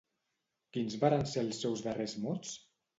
Quins varen ser els seus darrers mots?